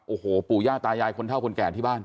โอ้โหปู่ย่าตายายคนเท่าคนแก่ที่บ้าน